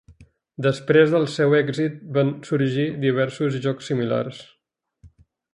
Després del seu èxit van sorgir diversos jocs similars.